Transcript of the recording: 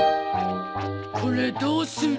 これどうする？